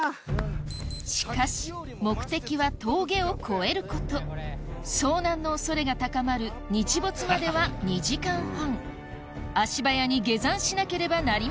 しかし目的は峠を越えること遭難の恐れが高まる日没までは２時間半足早に下山しなければなりません